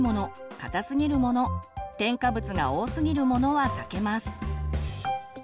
硬すぎるもの添加物が多すぎるものは避けます。